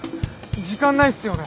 時間ないっすよね。